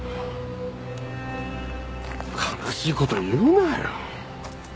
悲しい事言うなよ。